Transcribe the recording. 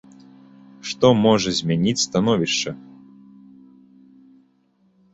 Што можа змяніць становішча?